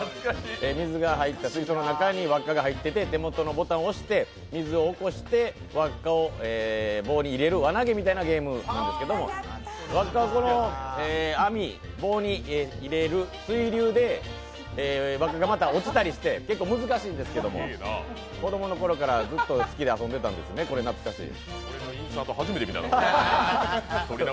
水が入った水槽の中に輪っかが入ってて手元のボタンを押して水を起こして輪っかを棒に入れる輪投げみたいなゲームなんですけど輪っかは網、棒に入れる、水流でまた落ちたりして結構難しいんですけど子供のころからずっと好きで遊んでたんですね、懐かしい。